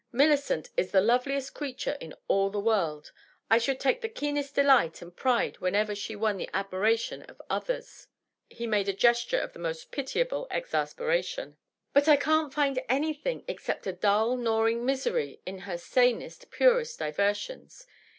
Millicent is the loveliest creature in all the world ; I should take the keenest delight and pride whenever she won the admiration of others." He made a gesture of the mast pitiable exasperation. " But I can't find anything except a dull, gnawing misery in her sanest, purest diversions.